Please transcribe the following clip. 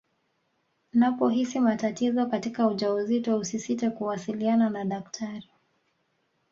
unapohisi matatizo katika ujauzito usisite kuwasiliana na daktari